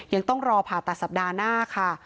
ยังต้องรอผ่าตัดสัปดาห์หน้าค่ะ